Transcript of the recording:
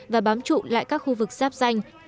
và bám trụ lại các khu vực sáp danh